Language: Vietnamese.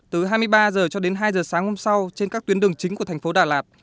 từ hai mươi ba h cho đến hai h sáng hôm sau trên các tuyến đường chính của thành phố đà lạt